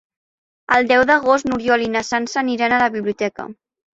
El deu d'agost n'Oriol i na Sança aniran a la biblioteca.